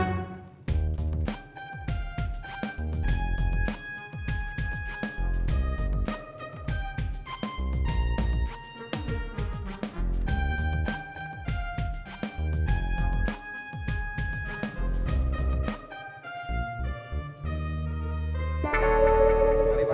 kalau berdua lebih lega